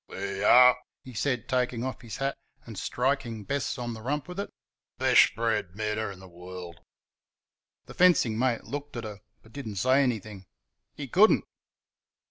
"Thur yar," he said, taking off his hat and striking Bess on the rump with it; "besh bred mare in the worl'." The fencing mate looked at her, but did n't say anything; he could n't.